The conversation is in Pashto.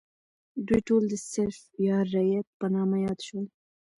دوی ټول د سرف یا رعیت په نامه یاد شول.